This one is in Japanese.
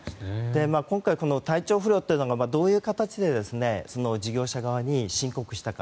今回、体調不良というのがどういう形で事業者側に申告したか。